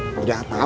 udah tau atau mana